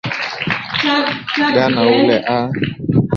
ghana ule aa namuuona yule kiongozi kidogo ame alilegea